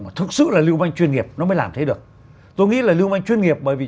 mà thực sự là lưu manh chuyên nghiệp nó mới làm thế được tôi nghĩ là lưu manh chuyên nghiệp bởi vì